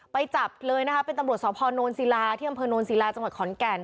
ไปจับเลยนะครับเป็นตำรวจสนศิลาที่บนศิลาจขอนแก่น